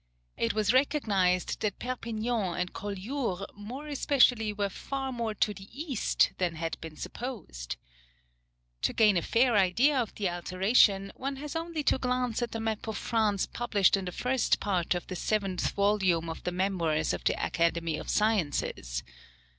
It was recognized that Perpignan and Collioures more especially were far more to the east than had been supposed. To gain a fair idea of the alteration, one has only to glance at the map of France published in the first part of the seventh volume of the memoirs of the Academy of Sciences.